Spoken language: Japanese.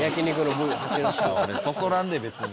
そそらんで別に。